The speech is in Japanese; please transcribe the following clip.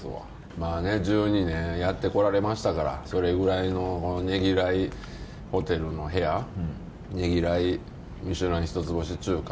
まあ１２年やってこられましたからそれぐらいのねぎらいホテルの部屋ねぎらい「ミシュラン」一つ星中華